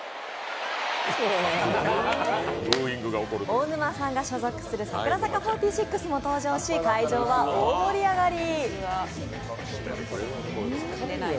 大沼さんが所属する櫻坂４６も登場し会場は大盛り上がり。